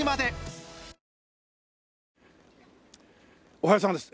おはようさんです。